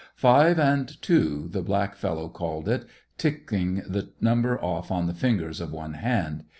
"Five and two," the black fellow called it, ticking the number off on the fingers of one hand.